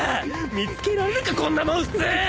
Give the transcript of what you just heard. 見つけられるかこんなもん普通！